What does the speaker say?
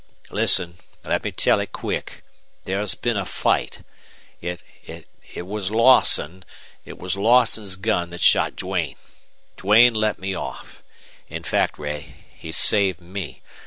Listen. Let me tell it quick. There's been a fight. It it was Lawson it was Lawson's gun that shot Duane. Duane let me off. In fact, Ray, he saved me.